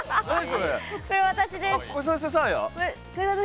これ、私です。